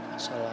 perlu boleh coba